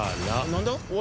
何だ？